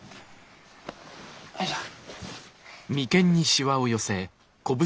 よいしょ。